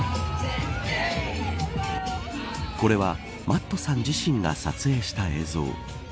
これはＭａｔｔさん自身が撮影した映像。